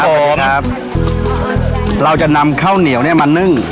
ผมครับเราจะนำข้าวเหนียวเนี้ยมานึ่ง